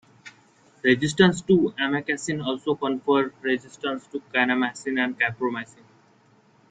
Resistance to amikacin also confers resistance to kanamycin and capreomycin.